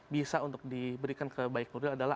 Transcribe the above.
bisa untuk diberikan ke baik nuril adalah